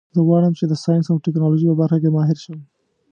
زه غواړم چې د ساینس او ټکنالوژۍ په برخه کې ماهر شم